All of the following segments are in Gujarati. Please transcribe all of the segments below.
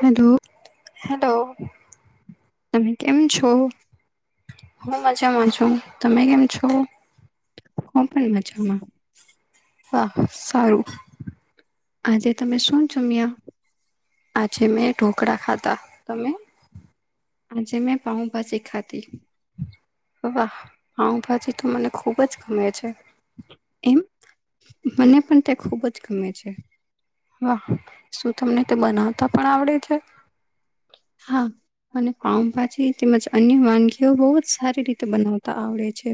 હલો હેલો હું મજામાં છું તમે કેમ છો કો પણ મજામાં વાાહ સારું આજે તમે શું છો મ્યા આજે મેં ઢોકળા ખાતાા તમે હજે મેં પાઉ ભ સિખાતી વાહ પાઉભાજી તો મને ખૂબ જ ગમે છે મને પણ તે ખૂબ જ ગમે છે હા શું તમને તે બનાવતા પણ આવડે છે અને પાઉભાજી તેમજ અન્ય વાનગી એવ બહુ જ સારી રીતે બનાવ આવડે છે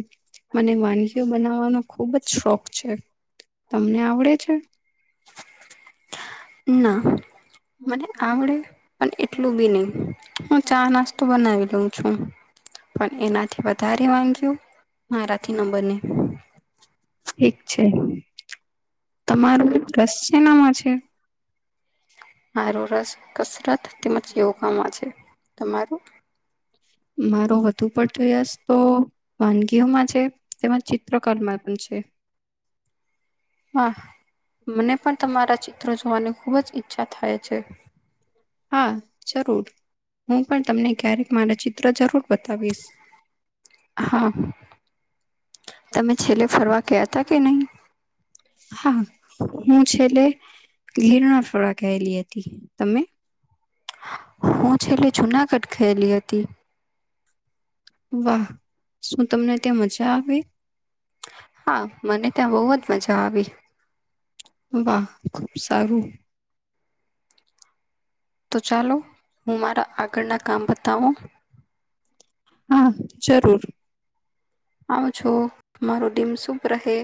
મને વાનગીઓ બનાવવાનો ખુબ જ શોખ છે તમને આવડે છે ના મને આવડે પણ એટલું બી નહી હું ચા નાસ્તો બનાવી લઉં છું પણ એનાથી વધારે વાગ્યું મારાથી નંબરને ઠીક છે તમારું કશ છેનામાં છે હ રસ કસરત તેમજ યોગામાં છે તમારું મારો ધુ પટતો વાનગી હુંમાં છે તેમાં ચિત્રકર્માં પ છે હા મને પણ તમારા ચિત્રો જોવાની ખુબ જ ઈચ્છા થાય છે હા જરૂર હું પણ તમને ક્યારેક માનચ જરૂર બતાવીશ હમ હું છેલ્લે લીરણા ફળ ગયેલી હતી તમે હું છેલ્લે જુનાગઢ ગયેલી હતી, વાહ શું તમને ત્યાં મજા આવી? હા, મને ત્યાં બહુ જ મજા આવી. વાહ ખુબ સારું, તો ચાલો હું, મારા આગળના કામ બતાવો હા જરૂર આવજો મારો દિમ શુભ રહે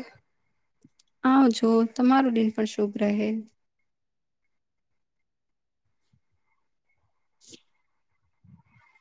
આવજો તમારો દિન પણ શુભ રહે, [unintelligible]